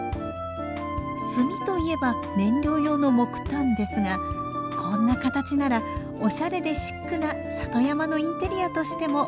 炭といえば燃料用の木炭ですがこんな形ならおしゃれでシックな里山のインテリアとしても使えます。